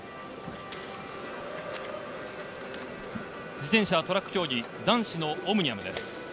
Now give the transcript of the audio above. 自転車トラック競技、男子のオムニアムです。